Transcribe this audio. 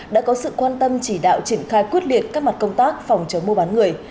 đã có sự quan tâm chỉ đạo triển khai quyết liệt các mặt công tác phòng chống mua bán người